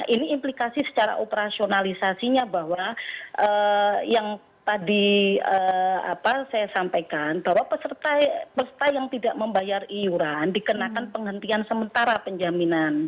ini implikasi secara operasionalisasinya bahwa yang tadi saya sampaikan bahwa peserta yang tidak membayar iuran dikenakan penghentian sementara penjaminan